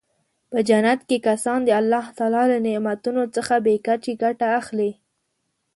په جنت کې کسان د الله تعالی له نعمتونو څخه بې کچې ګټه اخلي.